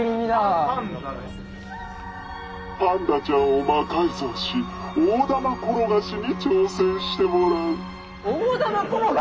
「パンダちゃんを魔改造し大玉転がしに挑戦してもらう」。